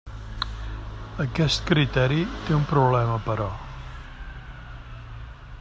Aquest criteri té un problema, però.